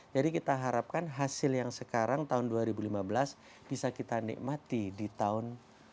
jadi kita harapkan hasil yang sekarang tahun dua ribu lima belas bisa kita nikmati di tahun dua ribu enam belas